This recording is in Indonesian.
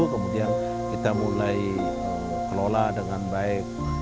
kemudian kita mulai kelola dengan baik